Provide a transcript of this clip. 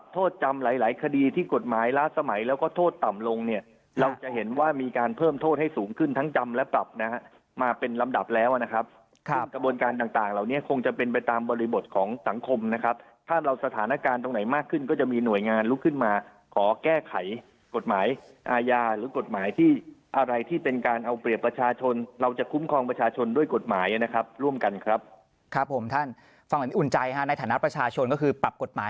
โทษจำหลายหลายคดีที่กฎหมายล่าสมัยแล้วก็โทษต่ำลงเนี้ยเราจะเห็นว่ามีการเพิ่มโทษให้สูงขึ้นทั้งจำและปรับนะครับมาเป็นลำดับแล้วนะครับครับกระบวนการต่างต่างเหล่านี้คงจะเป็นไปตามบริบทของสังคมนะครับถ้าเราสถานการณ์ตรงไหนมากขึ้นก็จะมีหน่วยงานลุกขึ้นมาขอแก้ไขกฎหมายอาญาหรือกฎ